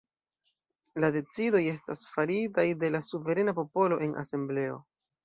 La decidoj estas faritaj de la suverena popolo en asembleo.